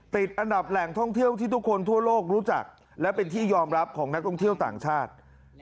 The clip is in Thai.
ติดอันดับแหล่งท่องเที่ยวที่ทุกคนทั่วโลกรู้จักและเป็นที่ยอมรับของนักท่องเที่ยวต่างชาติ